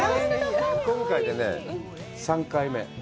今回で３回目。